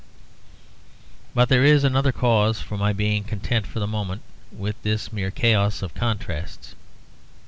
But there is another cause for my being content for the moment, with this mere chaos of contrasts.